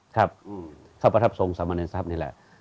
ครับเข้าพระทัพทรงสมเนสัพนี่แหละ